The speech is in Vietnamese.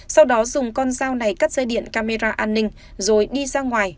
sau đó dùng con dao này cắt dây điện camera an ninh rồi đi ra ngoài